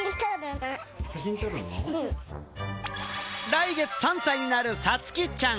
来月、３歳になるさつきちゃん。